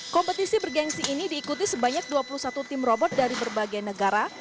kompetisi bergensi ini diikuti sebanyak dua puluh satu tim robot dari berbagai negara